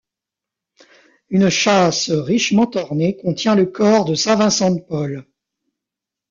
Une châsse richement ornée contient le corps de saint Vincent de Paul.